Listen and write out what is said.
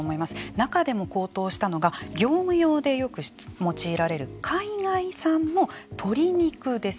中でも高騰したのが業務用でよく用いられる海外産の鶏肉です。